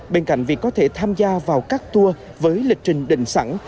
bên cạnh việc có thể tham gia vào các tour với lịch trình định sẵn